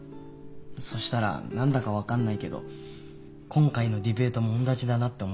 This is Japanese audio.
そうしたら何だか分かんないけど今回のディベートもおんなじだなって思えてきて。